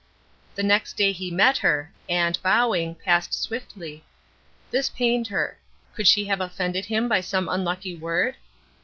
The next day he met her, and, bowing, passed swiftly. This pained her. Could she have offended him by some unlucky word?